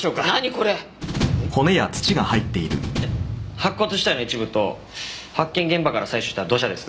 白骨遺体の一部と発見現場から採取した土砂です。